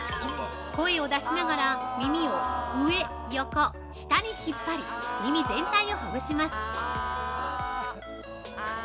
声を出しながら耳を上・横・下に引っ張り耳全体をほぐします。